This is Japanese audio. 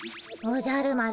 おじゃる丸